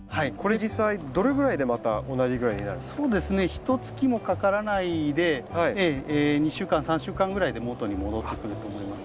ひとつきもかからないで２週間３週間ぐらいでもとに戻ってくると思います。